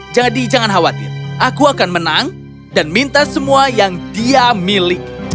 jadi jangan khawatir aku akan menang dan minta semua yang dia miliki